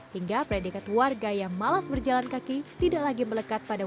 hingga predikat warga yang malas berjalan kaki tidak lagi melekat pada